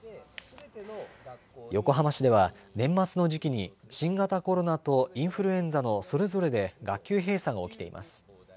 横浜市では、年末の時期に新型コロナとインフルエンザのそれぞれで学級閉鎖が起きています。